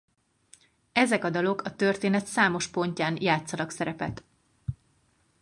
Ezek a dalok a történet számos pontján játszanak szerepet.